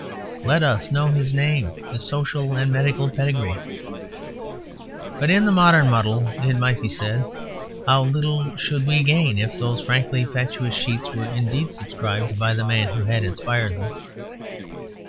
Let us know his name; his social and medical pedigree." But in the modern muddle (it might be said) how little should we gain if those frankly fatuous sheets were indeed subscribed by the man who had inspired them.